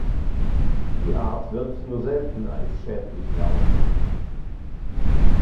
Die Art wird nur selten als Schädlich wahrgenommen.